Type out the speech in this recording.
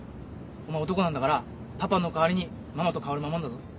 お前男なんだからパパの代わりにママと薫守んだぞ。